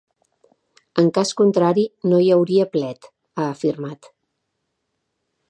En cas contrari no hi hauria plet, ha afirmat.